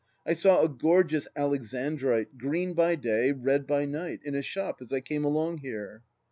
" I saw a gorgeous Alexandrite— green by day, red by night — in a shop as I came along here."